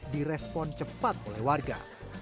direspon cepat oleh warga